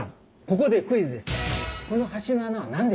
ここでクイズです。